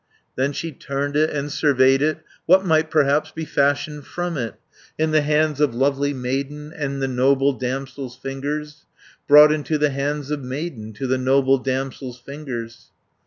330 "Then she turned It, and surveyed it, 'What might perhaps be fashioned from it, In the hands of lovely maiden, In the noble damsel's fingers, Brought into the hands of maiden, To the noble damsel's fingers?'